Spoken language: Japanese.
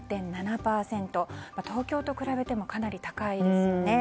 東京と比べてもかなり高いですよね。